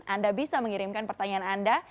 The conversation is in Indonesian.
anda bisa mengirimkan pertanyaan anda